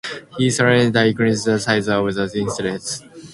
He significantly increased the size of the estate.